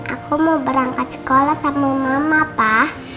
aku mau berangkat sekolah sama mama pak